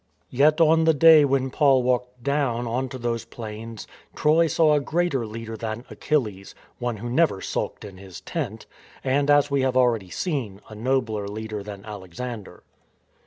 Yet on the day when Paul walked down on to those plains, Troy saw a greater leader than Achilles (one who never sulked in his tent!) — and, as we have al ready seen, a nobler leader than Alexander.